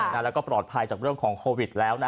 แล้วก็ปลอดภัยจากเรื่องของโควิดแล้วนะ